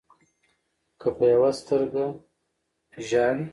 که په يوه سترګه ژاړې